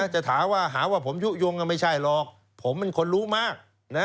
จะถามว่าหาว่าผมยุโยงไม่ใช่หรอกผมเป็นคนรู้มาก